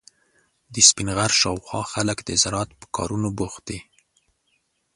د سپین غر شاوخوا خلک د زراعت په کارونو بوخت دي.